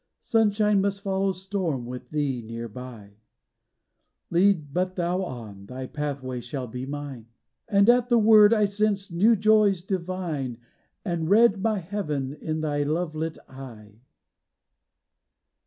Sunshine must follow storm with thee near by; — Lead but thou on,— thy pathway shall be mine." — And at the word I sensed new joys divine And read my Heaven in thy love lit eye.